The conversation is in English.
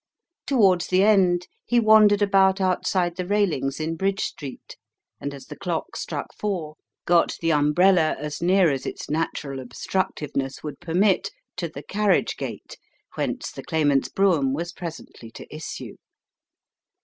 Towards the end, he wandered about outside the railings in Bridge Street, and, as the clock struck four, got the umbrella as near as its natural obstructiveness would permit to the carriage gate whence the Claimant's brougham was presently to issue.